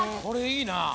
これいいな。